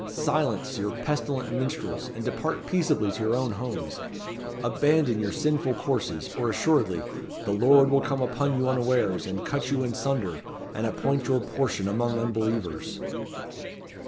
Silence your pestilent minstrels, and depart peaceably to your own homes. Abandon your sinful courses, or assuredly 'the Lord will come upon you unawares, and cut you in sunder, and appoint your portion among unbelievers.'"